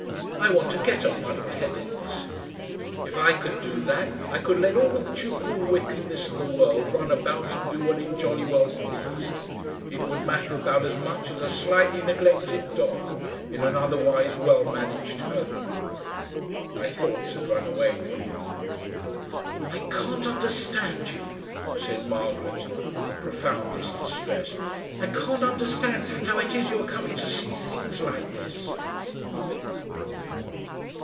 I want to get at muddle headedness. If I could do that I could let all that you call wickedness in the world run about and do what it jolly well pleased. It would matter about as much as a slightly neglected dog in an otherwise well managed home." My thoughts had run away with me. "I can't understand you," said Margaret, in the profoundest distress. "I can't understand how it is you are coming to see things like this."